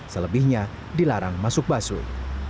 selebihnya dilarang masuk busway